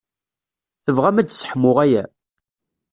Tebɣam ad sseḥmuɣ aya?